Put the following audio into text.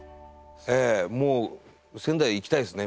もう仙台行きたいですね